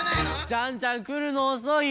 ジャンジャンくるのおそいよ。